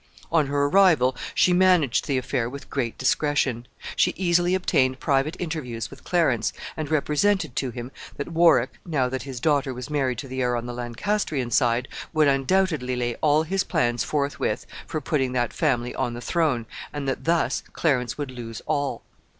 On her arrival she managed the affair with great discretion. She easily obtained private interviews with Clarence, and represented to him that Warwick, now that his daughter was married to the heir on the Lancastrian side, would undoubtedly lay all his plans forthwith for putting that family on the throne, and that thus Clarence would lose all.